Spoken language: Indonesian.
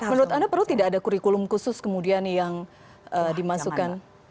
menurut anda perlu tidak ada kurikulum khusus kemudian yang dimasukkan